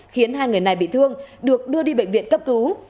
khiến hai người này bị thương được đưa đi bệnh viện cấp cứu